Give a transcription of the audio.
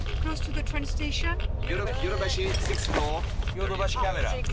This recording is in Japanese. ヨドバシカメラ。